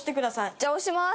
じゃあ押します。